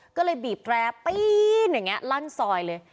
ก็เลยบีบแร้ปีนอย่างนี้ลั่นซอยเลย